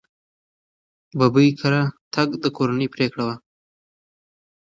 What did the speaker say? ببۍ کره تګ د کورنۍ پرېکړه وه.